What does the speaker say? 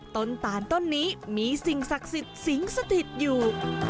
ต้นตาลต้นนี้มีสิงห์ศักดิ์สิงห์สถิตอยู่